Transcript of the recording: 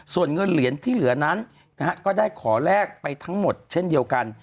ส่วนเงินเหรียญที่เหลือนั้นก็ได้ขอแลกไปทั้งหมดเช่นเดียวกัน